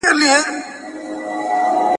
« درست پښتون له کندهاره تر اټکه سره خپل وي» !.